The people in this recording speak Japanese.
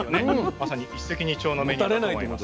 まさに一石二鳥のメニューになると思います。